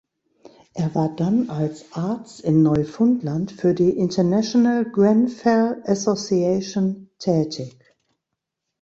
Er war dann als Arzt in Neufundland für die International Grenfell Association tätig.